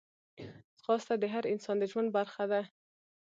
ځغاسته د هر انسان د ژوند برخه ده